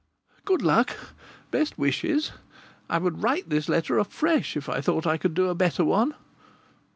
Good luck. Best wishes. I would write this letter afresh if I thought I could do a better one.